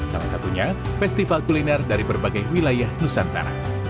salah satunya festival kuliner dari berbagai wilayah nusantara